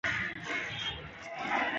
عامه سرچینې د ضایع کېدو څخه ساتل کېږي.